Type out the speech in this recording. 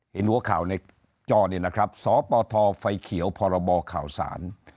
เห็นหัวข่าวในจอนี่นะครับสปทไฟเขียวพรบข่าวสาร